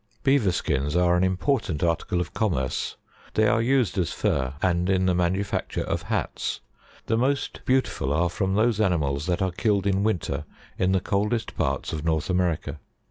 53. Beaver skins are an important article of commerce ; they are used as fur, and in the manufacture of hats; the most beau tiful are from those animals that are killed in winter in the coldest parts of North America.